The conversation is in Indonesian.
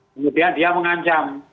kemudian dia mengancam